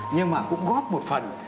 nhưng mà cũng góp một phần